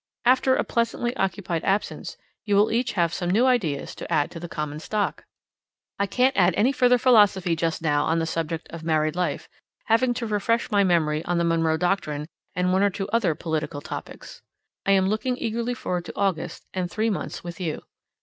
After a pleasantly occupied absence, you will each have some new ideas to add to the common stock. I can't add any further philosophy just now on the subject of married life, having to refresh my memory on the Monroe Doctrine and one or two other political topics. I am looking eagerly forward to August and three months with you.